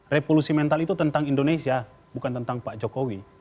revolusi mental itu tentang indonesia bukan tentang pak jokowi